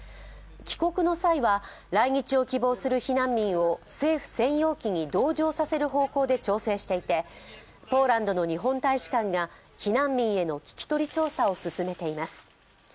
帰国の際は来日を希望する避難民を政府専用機に同乗させる方向で調整していてポーランドの日本大使館が避難民への聞き取り調査を進めています。